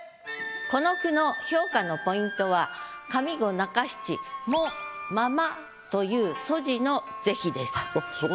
この句の評価のポイントは上五中七「も」「まま」という措辞の是非です。